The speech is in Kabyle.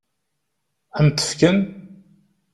Ad m-t-fken?